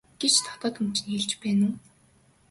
гэж дотоод хүн чинь хэлж байна уу?